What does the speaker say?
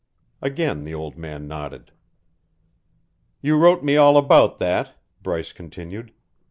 Again the old man nodded. "You wrote me all about that," Bryce continued.